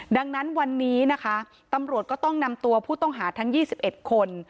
ดังนั้นวันนี้นะคะตำรวจก็ต้องนำตัวผู้ต้องหาทั้ง๒๑คน